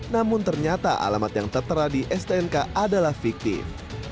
namun ternyata alamat yang tertera di stnk adalah fiktif